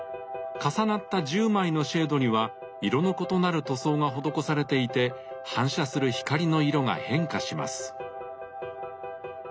重なった１０枚のシェードには色の異なる塗装が施されていて反射する光の色が変化します。